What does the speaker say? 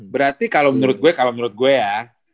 berarti kalau menurut gue kalau menurut gue ya